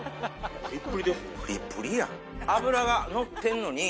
プリップリやん！